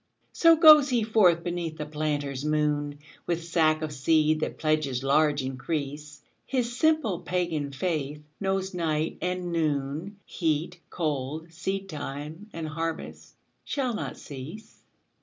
So goes he forth beneath the planter's moon With sack of seed that pledges large increase, His simple pagan faith knows night and noon, Heat, cold, seedtime and harvest shall not cease.